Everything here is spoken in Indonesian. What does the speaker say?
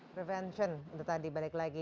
prevention itu tadi balik lagi